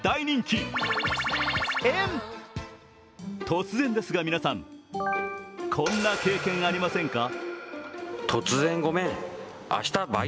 突然ですが皆さん、こんな経験ありませんか。